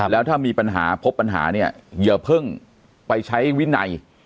แล้วถ้ามีปัญหาพบปัญหาเนี่ยอย่าเพิ่งไปใช้วินัย